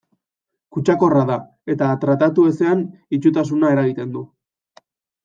Kutsakorra da, eta tratatu ezean itsutasuna eragiten du.